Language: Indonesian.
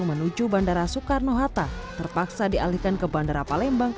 menuju bandara soekarno hatta terpaksa dialihkan ke bandara palembang